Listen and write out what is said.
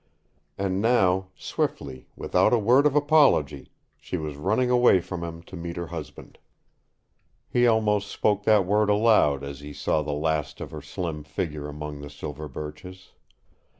And now, swiftly, without a word of apology, she was running away from him to meet her husband. He almost spoke that word aloud as he saw the last of her slim figure among the silver birches.